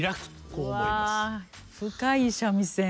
うわ深い三味線。